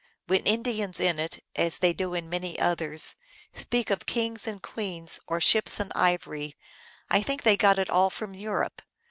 When Indians in it, as they do in many others, speak of kings and queens or ships and ivory, I think they got it all from Europe.